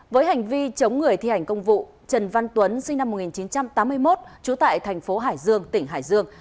với hành vi chống người thi hành công vụ trần văn tuấn sinh năm một nghìn chín trăm tám mươi một trú tại thành phố hải dương tỉnh hải dương